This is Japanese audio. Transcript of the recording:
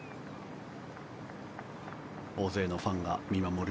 大勢のファンが見守る